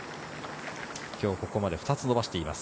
今日ここまで２つ伸ばしています。